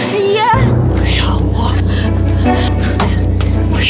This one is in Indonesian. kau minta maaf makasih